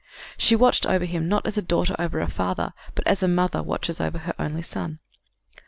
She watched over him, not as a daughter over a father, but as a mother watches over an only son.